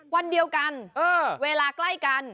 วันเดียวกันเวลาใกล้กัน